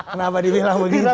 kenapa dibilang begitu